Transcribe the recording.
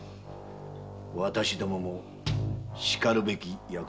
私どももしかるべき役職を。